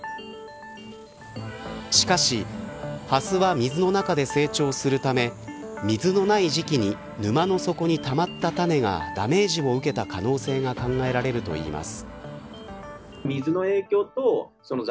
しかしハスは水の中で成長するため水のない時期に沼の底にたまった種がダメージを受けた可能性が考えられるといいます。